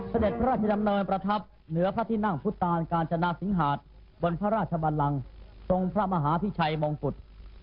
เสด็จพระราชดำเนินประทับเหนือพระที่นั่งพุทธตานกาญจนาสิงหาดบนพระราชบันลังทรงพระมหาพิชัยมงกุฎ